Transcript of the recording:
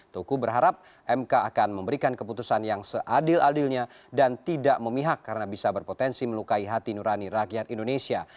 tuku berharap mk akan memberikan keputusan yang seadil adilnya dan tidak memihak karena bisa berpotensi melukai hati nurani rakyat indonesia